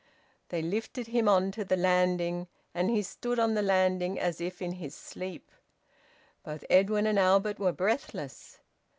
They lifted him on to the landing, and he stood on the landing as if in his sleep. Both Edwin and Albert were breathless.